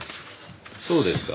そうですか。